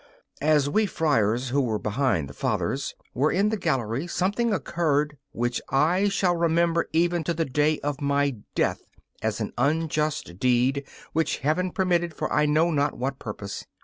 As we friars, who were behind the Fathers, were in the gallery, something occurred which I shall remember even to the day of my death as an unjust deed which Heaven permitted for I know not what purpose.